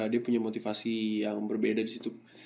dia punya motivasi yang berbeda disitu